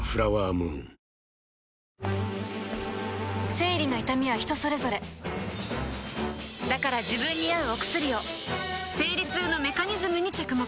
生理の痛みは人それぞれだから自分に合うお薬を生理痛のメカニズムに着目